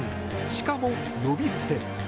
しかも、呼び捨て。